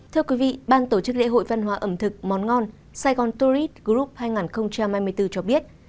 thưa quý vị ban tổ chức lễ hội văn hóa ẩm thực món ngon sài gòn tourist group hai nghìn hai mươi bốn cho biết